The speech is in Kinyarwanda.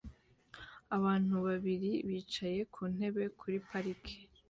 Abantu babiri bicaye ku ntebe kuri parike